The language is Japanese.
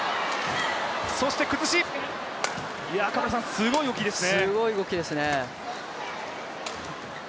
すごい動きですね。